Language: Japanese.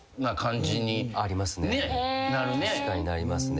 確かになりますね。